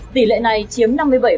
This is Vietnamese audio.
tỷ lệ này chiếm năm mươi bảy